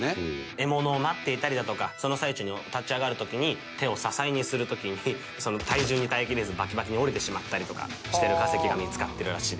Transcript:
獲物を待っていたりだとかその最中に立ち上がる時に手を支えにする時にその体重に耐えきれずバキバキに折れてしまったりとかしてる化石が見つかってるらしい。